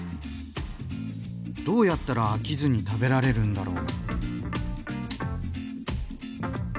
どうやったら飽きずに食べられるんだろう？